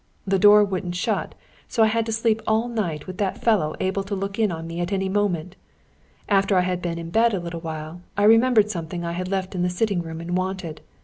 The door wouldn't shut, so I had to sleep all night with that fellow able to look in upon me at any moment. After I had been in bed a little while, I remembered something I had left in the sitting room and wanted.